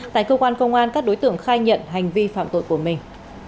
tại cơ quan công an các đối tượng khai nhận hành vi phạm tội của mình